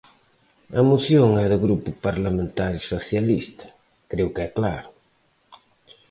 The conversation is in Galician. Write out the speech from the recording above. A moción é do Grupo Parlamentario Socialista, creo que é claro.